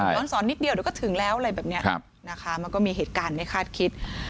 ย้อนสอนนิดเดียวเดี๋ยวก็ถึงแล้วมันก็มีเหตุการณ์ในคาดคิด